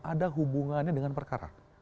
ada hubungannya dengan perkara